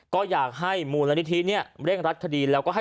ก็อยากให้มูลนิทธินะเร่งรักษาดีแล้วก็ให้